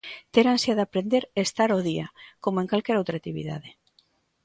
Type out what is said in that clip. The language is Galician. Ter ansia de aprender e estar ao día, como en calquera outra actividade.